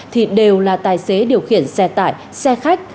thì đều là tài xế điều khiển xe tải xe khách